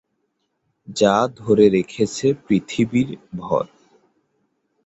যা ধরে রেখেছে পৃথিবীর ভর।